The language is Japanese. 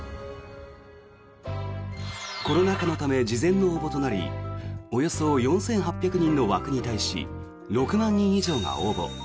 コロナ禍のため事前の応募となりおよそ４８００人の枠に対し６万人以上が応募。